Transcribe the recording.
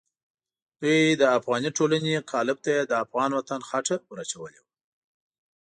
دوی د افغاني ټولنې قالب ته یې د افغان وطن خټه ور اچولې وه.